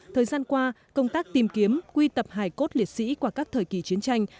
thời gian qua công tác tìm kiếm quy tập hải cốt liệt sĩ qua các thời kỳ chiến tranh